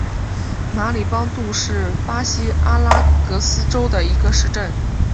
马里邦杜是巴西阿拉戈斯州的一个市镇。